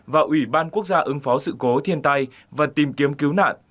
và ủy ban quốc gia ứng phó sự cố thiên tai và tìm kiếm cứu nạn